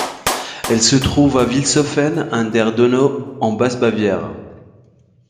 Elle se trouve à Vilshofen an der Donau en Basse-Bavière.